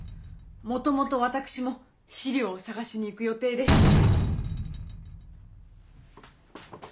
もともと私も資料を探しに行く予定でしたので。